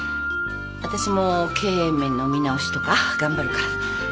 私も経営面の見直しとか頑張るから。